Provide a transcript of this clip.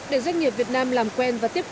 để doanh nghiệp việt nam làm quen và tiếp cận